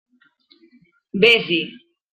Vés-hi.